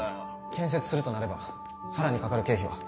建設するとなれば更にかかる経費は？